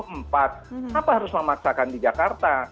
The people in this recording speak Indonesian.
kenapa harus memaksakan di jakarta